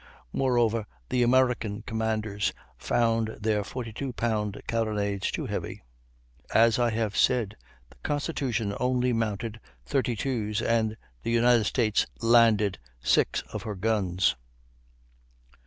Moreover, the American commanders found their 42 pound carronades too heavy; as I have said the Constitution only mounted 32's, and the United States landed 6 of her guns.